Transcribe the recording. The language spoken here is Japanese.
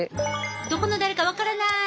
どこの誰か分からない。